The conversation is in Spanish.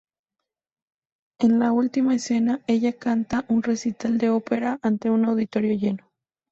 En la última escena, ella canta un recital de ópera ante un auditorio lleno.